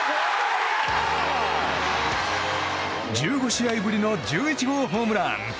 １５試合ぶりの１１号ホームラン。